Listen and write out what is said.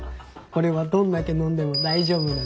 これはどんだけ飲んでも大丈夫なんだよ。